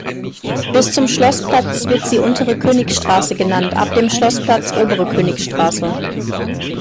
Bis zum Schlossplatz wird sie „Untere Königstraße“ genannt, ab dem Schlossplatz „Obere Königstraße“.